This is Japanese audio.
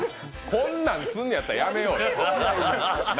こんなんすんやったらやめようよ。